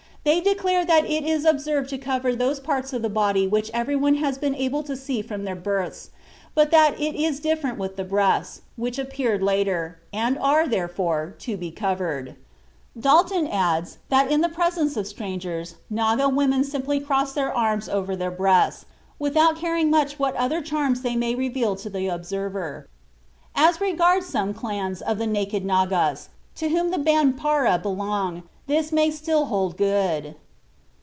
They declare that it is absurd to cover those parts of the body which everyone has been able to see from their births, but that it is different with the breasts, which appeared later, and are, therefore, to be covered. Dalton (Journal of the Asiatic Society, Bengal, 41, 1, 84) adds that in the presence of strangers Naga women simply cross their arms over their breasts, without caring much what other charms they may reveal to the observer. As regards some clans of the naked Nagas, to whom the Banpara belong, this may still hold good."